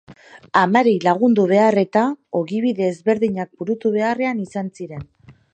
Amari lagundu behar eta, ogibide ezberdinak burutu beharrean izan ziren.